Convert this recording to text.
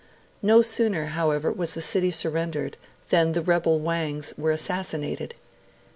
No sooner, however, was the city surrendered than the rebel 'Wangs' were assassinated.